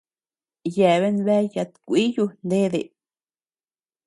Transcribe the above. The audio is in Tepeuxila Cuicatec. Yeabean bea yat kúiyu nede.